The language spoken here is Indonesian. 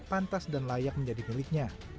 pantas dan layak menjadi miliknya